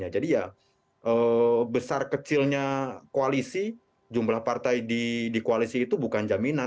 jadi ya besar kecilnya koalisi jumlah partai di koalisi itu bukan jaminan